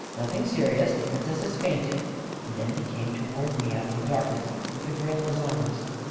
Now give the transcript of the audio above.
44 Nothing serious; the Princess has fainted," and then he came toward me out of the darkness, with the girl in his arms.